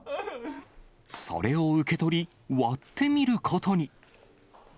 それを受け取り、割ってみることに。